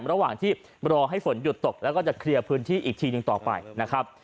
ระหว่างที่รอให้ฝนหยุดตกแล้วก็จะเคลียร์พื้นที่อีกทีหนึ่งต่อไปนะครับ